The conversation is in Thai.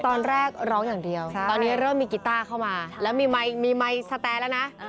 ตอนแรกร้องอย่างเดียวตอนนี้เริ่มมีกีต้าเข้ามาแล้วมีไมค์สแตร์แล้วนะ